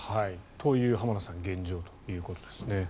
という、浜田さん現状ということですね。